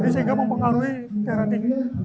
sehingga mempengaruhi darah tinggi